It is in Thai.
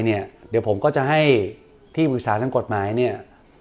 เดี๋ยวผมก็จะให้ที่วิทยาลัยทางกฎหมาย